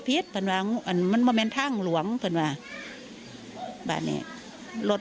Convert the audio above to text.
ประเนี่ย